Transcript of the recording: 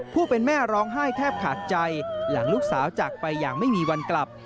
ผู้เป็นแม่ร้องไห้แทบขาดใจหลังลูกสาวจากไปอย่างไม่มีวันกลับ